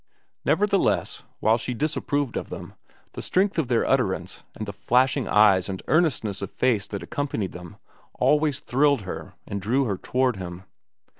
Nevertheless, while she disapproved of them, the strength of their utterance, and the flashing of eyes and earnestness of face that accompanied them, always thrilled her and drew her toward him.